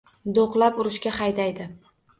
Do‘qlab urushga haydaydi